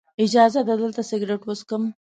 اجازه ده دلته سګرټ وڅکم.